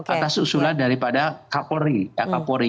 atas usulan daripada kapolri